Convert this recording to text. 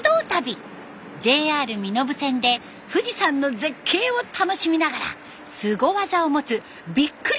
ＪＲ身延線で富士山の絶景を楽しみながらすご技を持つ「びっくり！